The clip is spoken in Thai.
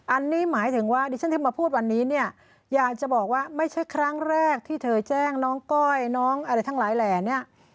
อันนี้หมายถึงว่าดิฉันที่มาพูดวันนี้เนี่ยอยากจะบอกว่าไม่ใช่ครั้งแรกที่เธอแจ้งน้องก้อยน้องอะไรทั้งหลายแหล่เนี่ย